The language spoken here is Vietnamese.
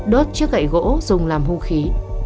đốt chiếc gậy gỗ dùng làm hô khí